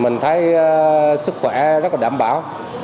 mình thấy sức khỏe rất là đảm bảo